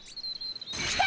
来た！